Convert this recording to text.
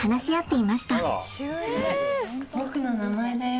ボクの名前だよ。